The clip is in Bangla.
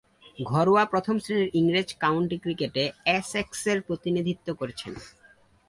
ঘরোয়া প্রথম-শ্রেণীর ইংরেজ কাউন্টি ক্রিকেটে এসেক্সের প্রতিনিধিত্ব করেছেন।